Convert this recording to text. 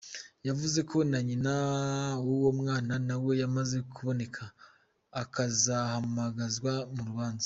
Yavuze ko na nyina w’uwo mwana nawe yamaze kuboneka akazahamagazwa mu rubanza.